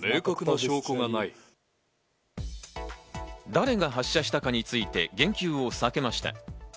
誰が発射したかについて言及を避けました。